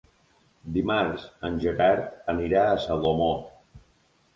Dimarts en Gerard anirà a Salomó.